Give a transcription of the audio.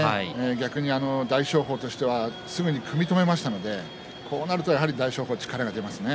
逆に大翔鵬としてはすぐに組み止めましたのでこうなるとやはり大翔鵬は力が出ますね。